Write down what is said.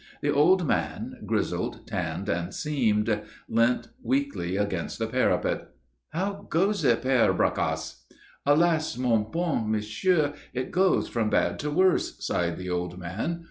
The old man, grizzled, tanned and seamed, leant weakly against the parapet. "How goes it, Père Bracasse?" "Alas, mon bon Monsieur, it goes from bad to worse," sighed the old man.